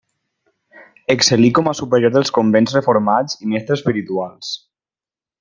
Excel·lí com a superior dels convents reformats i mestre espirituals.